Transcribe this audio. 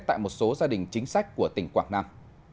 tại một số gia đình chính sách của tỉnh quảng nam